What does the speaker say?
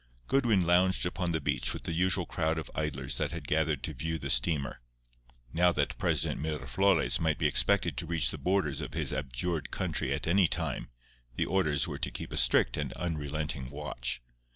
Goodwin lounged upon the beach with the usual crowd of idlers that had gathered to view the steamer. Now that President Miraflores might be expected to reach the borders of his abjured country at any time, the orders were to keep a strict and unrelenting watch.